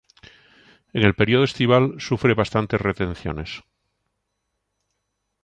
En el periodo estival sufre bastantes retenciones.